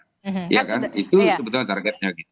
iya kan itu betul betul targetnya